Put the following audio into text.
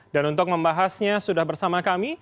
dan untuk membahasnya sudah bersama kami